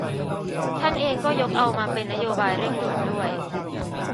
ท่านเองก็ยกเอามาเป็นนโยบายเร่งด่วนด้วย